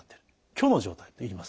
虚の状態といいます。